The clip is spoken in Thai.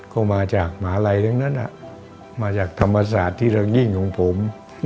ก็มาจากหมาไลยเท่านั้นมาจากธรรมศาสตร์ทิรงิงของผม